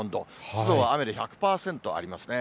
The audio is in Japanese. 湿度は雨で１００％ありますね。